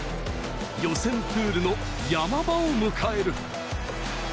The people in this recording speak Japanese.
予選プールの山場を迎える。